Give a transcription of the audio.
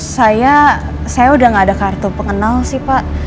saya udah gak ada kartu pengenal sih pak